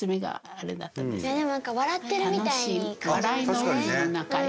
でも何か笑ってるみたいに。